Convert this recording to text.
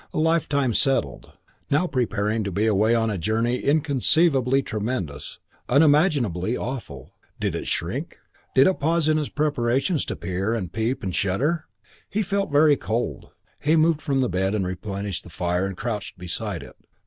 A lifetime settled; now preparing to be away on a journey inconceivably tremendous, unimaginably awful. Did it shrink? Did it pause in its preparations to peer and peep and shudder? III He felt very cold. He moved from the bed and replenished the fire and crouched beside it.